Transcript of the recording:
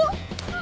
あ。